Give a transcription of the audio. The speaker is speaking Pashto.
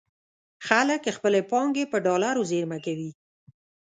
خلک خپلې پانګې په ډالرو زېرمه کوي.